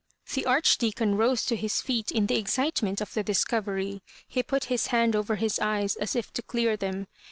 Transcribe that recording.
The Archdeacon rose to his feet in the excitement of the discovery; he put his hand over his eyes as if to clear them.